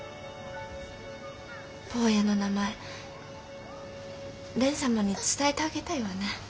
坊やの名前蓮様に伝えてあげたいわね。